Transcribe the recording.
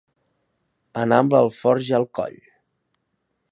Anar amb l'alforja al coll.